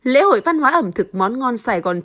lễ hội văn hóa ẩm thực món ngon sài gòn